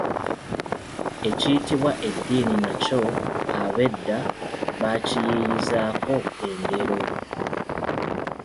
Ekiyitibwa eddiini nakyo ab’edda baakiyiiyiizaako engero.